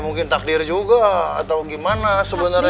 mungkin takdir juga atau gimana sebenarnya